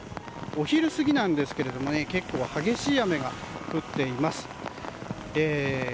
お昼過ぎですが結構、激しい雨が降っています。